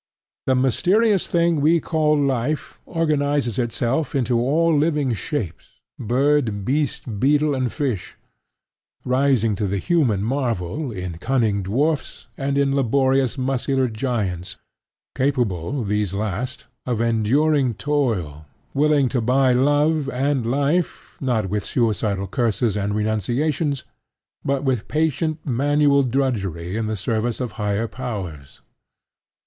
The mysterious thing we call life organizes itself into all living shapes, bird, beast, beetle and fish, rising to the human marvel in cunning dwarfs and in laborious muscular giants, capable, these last, of enduring toil, willing to buy love and life, not with suicidal curses and renunciations, but with patient manual drudgery in the service of higher powers.